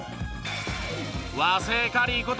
和製カリーこと